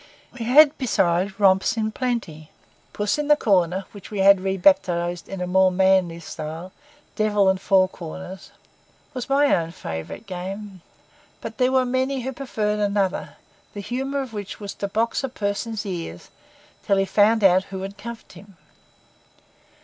We had, besides, romps in plenty. Puss in the Corner, which we had rebaptized, in more manly style, Devil and four Corners, was my own favourite game; but there were many who preferred another, the humour of which was to box a person's ears until he found out who had cuffed him.